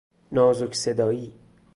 نازک صدایی